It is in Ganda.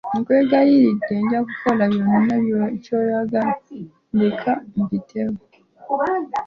Nkwegayiridde nja kukola kyonna kyoyagala ndeka mpitewo.